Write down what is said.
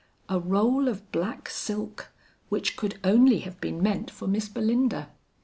A roll of black silk, which could only have been meant for Miss Belinda.